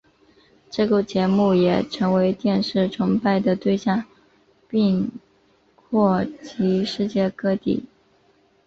这个节目也成为电视崇拜的对象并扩及世界各地。